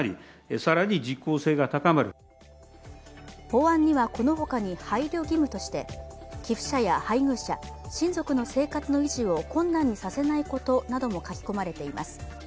法案にはこの他に配慮義務として寄付者や配偶者、親族の生活の維持を困難にさせないことなども書き込まれています。